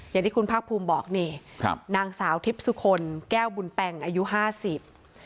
อย่างที่คุณภาคภูมิบอกนี่ครับนางสาวทิพย์สุคลแก้วบุญแปงอายุห้าสิบ